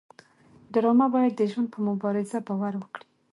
ډرامه باید د ژوند په مبارزه باور ورکړي